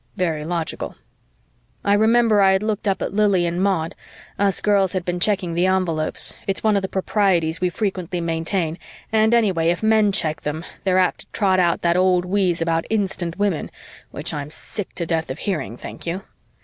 Very logical. I remember I had looked up at Lili and Maud us girls had been checking the envelopes; it's one of the proprieties we frequently maintain and anyway, if men check them, they're apt to trot out that old wheeze about "instant women" which I'm sick to death of hearing, thank you.